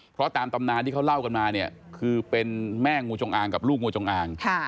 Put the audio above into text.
เพราะตามตำนานที่เขาเล่ากันมาเนี่ยคือเป็นแม่งูจงอางกับลูกงูจงอาง